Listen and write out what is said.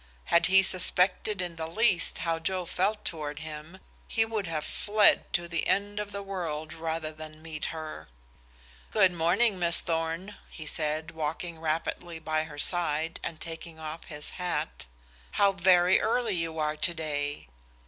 Had he suspected in the least how Joe felt toward him, he would have fled to the end of the world rather than meet her. "Good morning, Miss Thorn," he said, walking rapidly by her side and taking off his hat, "how very early you are to day."